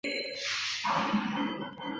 阿吉曼和哈伊马角的麦加利地震烈度为。